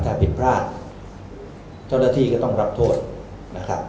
ถ้าผิดพลาดเจ้าหน้าที่ก็ต้องรับโทษนะครับ